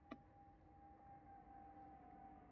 Xurofotning zahri tekkan